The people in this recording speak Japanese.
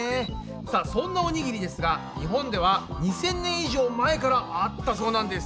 さあそんなおにぎりですが日本では２，０００年以上前からあったそうなんです。